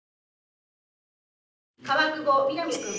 川久保皆実くん。